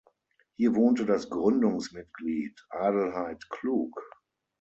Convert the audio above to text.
Hier wohnte das Gründungsmitglied Adelheid Klug.